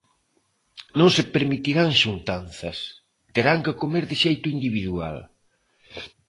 Non se permitirán xuntanzas, terán que comer de xeito individual.